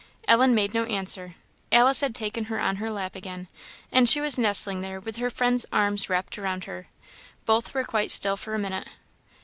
Ellen made no answer. Alice had taken her on her lap again, and she was nestling there with her friend's arms wrapped around her. Both were quite still for a minute.